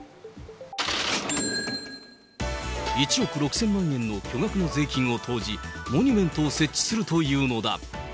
１億６０００万円の巨額の税金を投じ、モニュメントを設置するというのだ。